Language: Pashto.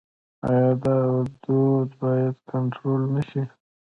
آیا دا دود باید کنټرول نشي؟